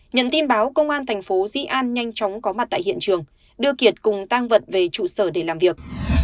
nhận tin báo công an thành phố di an nhanh chóng có mặt tại hiện trường đưa kiệt cùng tăng vật về trụ sở để làm việc